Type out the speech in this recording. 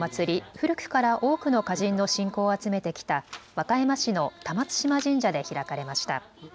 古くから多くの歌人の信仰を集めてきた和歌山市の玉津島神社で開かれました。